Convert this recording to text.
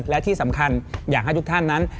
และที่สำคัญอยากให้ทุกท่านนั้น